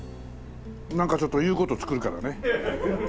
なんかちょっと言う事作るからね。